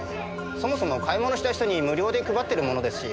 そもそも買い物した人に無料で配ってるものですし。